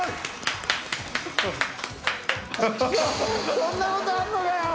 そんなことあんのかよ！